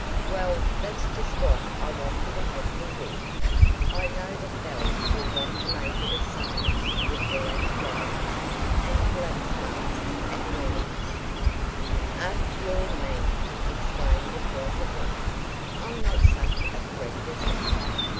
"Well, that's just what I want you to help me with. I know that Belle will want to make it a seance with relaxed robes and collapsed masks and relapsed " "Oh, you're mean!" exclaimed the taunted one. "I'm not such a freak as that."